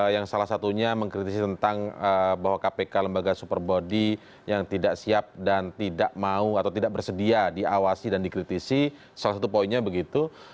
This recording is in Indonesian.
yang salah satunya mengkritisi tentang bahwa kpk lembaga super body yang tidak siap dan tidak mau atau tidak bersedia diawasi dan dikritisi salah satu poinnya begitu